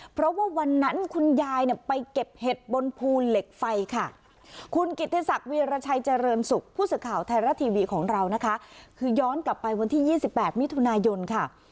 เพราะว่าวันนั้นคุณยายเนี่ยไปเก็บเห็ดบนภูเหล็กไฟค่ะคุณกิติศักดิรชัยเจริญสุขผู้สื่อข่าวไทยรัฐทีวีของเรานะคะคือย้อนกลับไปวันที่๒๘มิถุนายนค่ะ